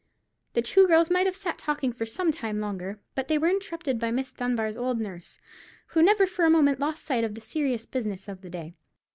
The two girls might have sat talking for some time longer, but they were interrupted by Miss Dunbar's old nurse, who never for a moment lost sight of the serious business of the day.